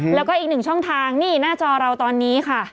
แล้วก็อีกหนึ่งช่องทางนี่หน้าจอเราตอนนี้ค่ะ